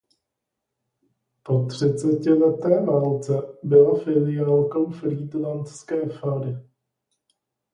Po třicetileté válce byla filiálkou frýdlantské fary.